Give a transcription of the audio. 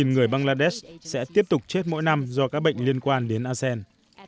bốn mươi ba người bangladesh sẽ tiếp tục chết mỗi năm do các bệnh liên quan đến arsen